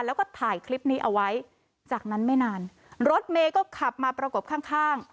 แล้วก็ถ่ายคลิปนี้เอาไว้จากนั้นไม่นานรถเมย์ก็ขับมาประกบข้างข้าง